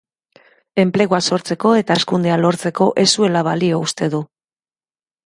Enplegua sortzeko eta hazkundea lortzeko ez zuela balio uste du.